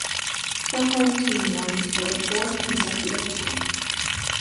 The home team won for the fourth consecutive time.